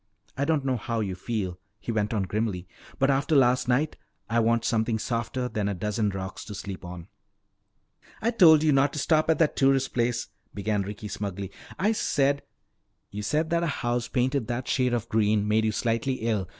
I don't know how you feel," he went on grimly, "but after last night I want something softer than a dozen rocks to sleep on." "I told you not to stop at that tourist place," began Ricky smugly. "I said " "You said that a house painted that shade of green made you slightly ill.